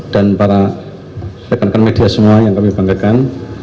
dan para rekan rekan media semua yang kami banggakan